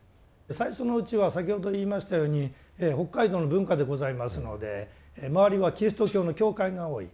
最初のうちは先ほど言いましたように北海道の文化でございますので周りはキリスト教の教会が多い。